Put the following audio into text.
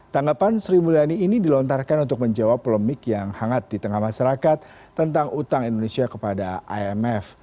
tanggapan sri mulyani ini dilontarkan untuk menjawab polemik yang hangat di tengah masyarakat tentang utang indonesia kepada imf